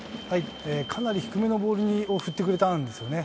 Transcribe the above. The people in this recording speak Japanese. かなり低めのボールを振ってくれたんですね。